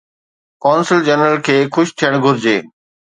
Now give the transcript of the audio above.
قونصل جنرل کي خوش ٿيڻ گهرجي.